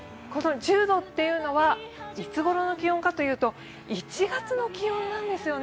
１０度というのはいつごろの気温かというと１月頃の気温なんですよね。